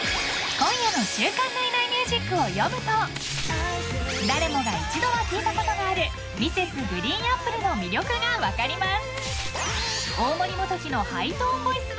［今夜の『週刊ナイナイミュージック』を読むと誰もが一度は聴いたことがあるＭｒｓ．ＧＲＥＥＮＡＰＰＬＥの魅力が分かります］